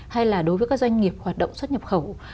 hay là đối với các doanh nghiệp hoạt động xuất nhập khẩu